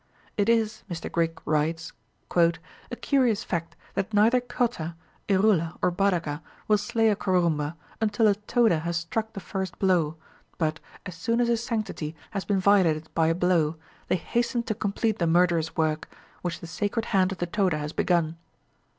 "It is," Mr Grigg writes, "a curious fact that neither Kota, Irula, or Badaga, will slay a Kurumba, until a Toda has struck the first blow, but, as soon as his sanctity has been violated by a blow, they hasten to complete the murderous work, which the sacred hand of the Toda has begun."